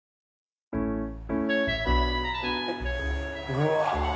うわ！